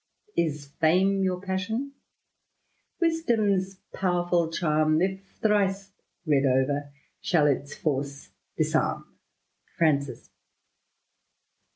V " Is fame your passion ? Wisdom's powerfiil charm. If thrice read over, shall its force disarm." F&ANdS.